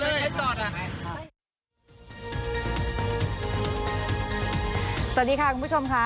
มันจอดอย่างง่ายอย่างง่ายอย่างง่าย